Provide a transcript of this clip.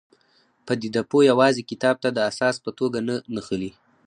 پدیده پوه یوازې کتاب ته د اساس په توګه نه نښلي.